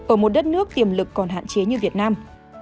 ở một đất nước tiềm lực còn hạn chế như việt nam